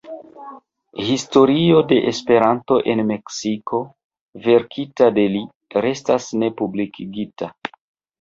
Historio de Esperanto en Meksiko, verkita de li, restas ne publikigita.